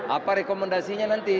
apa rekomendasinya nanti